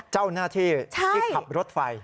เจ้าหน้าที่ที่ขับรถไฟ